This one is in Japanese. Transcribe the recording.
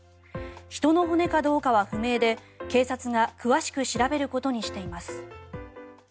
人の骨かどうかは不明で、警察が詳しく調べることにしています。